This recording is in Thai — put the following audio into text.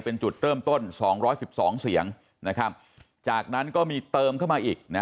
เป็นจุดเริ่มต้น๒๑๒เสียงนะครับจากนั้นก็มีเติมเข้ามาอีกนะ